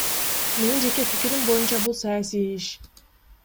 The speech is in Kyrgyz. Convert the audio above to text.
Менин жеке пикирим боюнча, бул саясий иш.